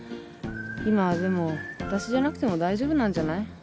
今はでも私じゃなくても大丈夫なんじゃない？